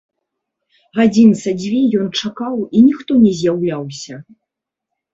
Гадзін са дзве ён чакаў, і ніхто не з'яўляўся.